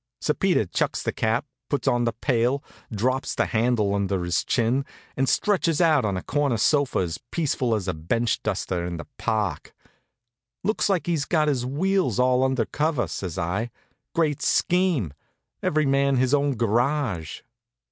Sir Peter chucks the cap, puts on the pail, drops the handle under his chin, and stretches out on a corner sofa as peaceful as a bench duster in the park. "Looks like he's got his wheels all under cover," says I. "Great scheme every man his own garage."